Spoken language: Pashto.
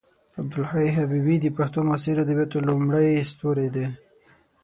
عبدالحی حبیبي د پښتو معاصرو ادبیاتو لومړی ستوری دی.